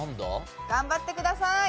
頑張ってください！